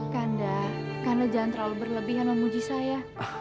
kanda karena jangan terlalu berlebihan memuji saya